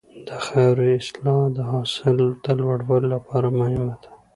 د خاورې اصلاح د حاصل د لوړوالي لپاره مهمه ده.